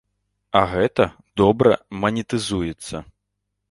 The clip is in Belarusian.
А гэта добра манетызуецца.